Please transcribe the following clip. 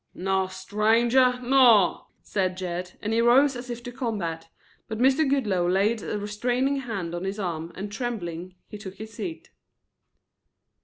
"Naw, stranger, naw," said Jed, and he rose as if to combat, but Mr. Goodloe laid a restraining hand on his arm, and trembling, he took his seat.